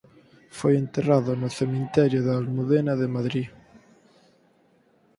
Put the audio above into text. Foi enterrado no cemiterio da Almudena de Madrid.